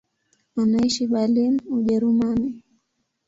Anaishi Berlin, Ujerumani.